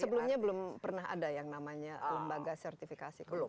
sebelumnya belum pernah ada yang namanya lembaga sertifikasi